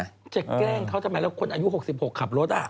จะแกล้งเขาทำไมแล้วคนอายุ๖๖ขับรถ